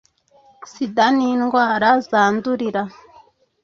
Sida ni indwara zandurira